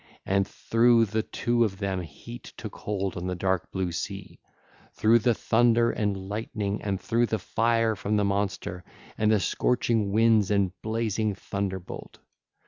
And through the two of them heat took hold on the dark blue sea, through the thunder and lightning, and through the fire from the monster, and the scorching winds and blazing thunderbolt.